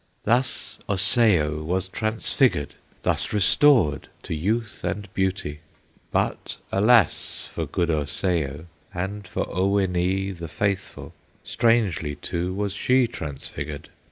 "Thus Osseo was transfigured, Thus restored to youth and beauty; But, alas for good Osseo, And for Oweenee, the faithful! Strangely, too, was she transfigured.